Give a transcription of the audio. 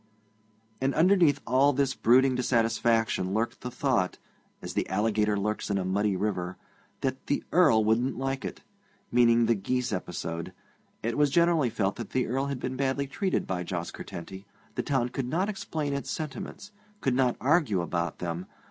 And underneath all this brooding dissatisfaction lurked the thought, as the alligator lurks in a muddy river, that 'the Earl wouldn't like it' meaning the geese episode. It was generally felt that the Earl had been badly treated by Jos Curtenty. The town could not explain its sentiments could not argue about them.